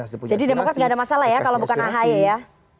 jadi demokras gak ada masalah ya kalau bukan ahy ya